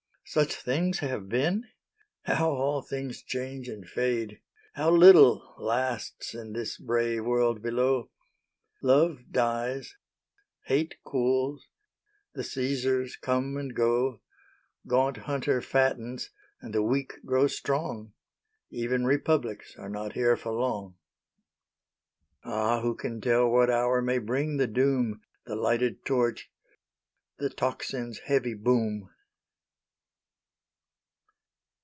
Such things have been? How all things change and fade! How little lasts in this brave world below! Love dies; hate cools; the Caesars come and go; Gaunt Hunter fattens, and the weak grow strong. Even Republics are not here for long! Ah, who can tell what hour may bring the doom, The lighted torch, the tocsin's heavy boom!